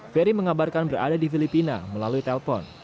ferry mengabarkan berada di filipina melalui telpon